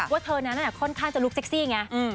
ว่าเธอนั้นน่ะจะค่อนข้างจะลูกเซ็กซี่อย่างเงี้ย